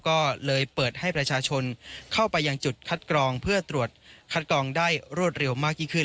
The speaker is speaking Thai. ก็เลยเปิดให้ประชาชนเข้าไปยังจุดคัดกรองเพื่อตรวจคัดกรองได้รวดเร็วมากยิ่งขึ้น